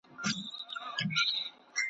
لکه ښه ورځ چي یې هیڅ نه وي لیدلې .